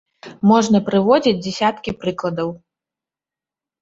Можна прыводзіць дзясяткі прыкладаў.